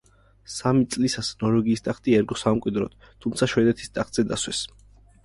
სამი წლისას ნორვეგიის ტახტი ერგო სამკვიდროდ, თუმცა შვედეთის ტახტზე დასვეს.